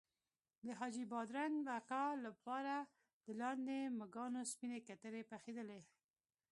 د حاجي بادرنګ اکا لپاره د لاندې مږانو سپینې کترې پخېدلې.